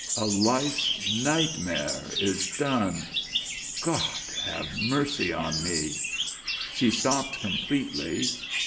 A life's nightmare is done. God have mercy on me " She stopped completely.